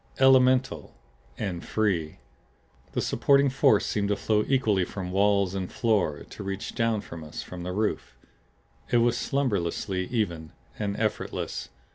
ELEMENTAL and free. The supporting force seemed to flow equally from walls and floor; to reach down to us from the roof. It was slumberously even, and effortless.